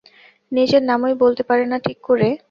নিজের নামই বলতে পারে না ঠিক করে।